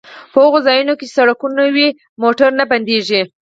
په هغو ځایونو کې چې سړکونه وي موټر نه بندیږي